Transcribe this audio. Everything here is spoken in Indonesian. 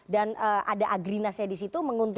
dan ada agrinasnya di situ menguntungkan